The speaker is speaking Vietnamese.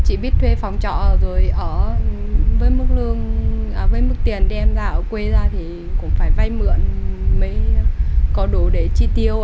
chỉ biết thuê phòng trọ rồi ở với mức tiền đem ra ở quê ra thì cũng phải vay mượn mới có đủ để chi tiêu